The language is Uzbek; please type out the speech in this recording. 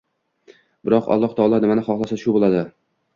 Biroq, Alloh taolo nimani xohlasa shu bo`ladi